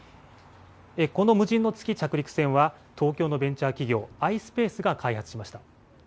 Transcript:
この無人の月着陸船は東京のベンチャー企業、ｉｓｐａｃｅが開発しました。